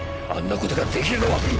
あんなことができるのは。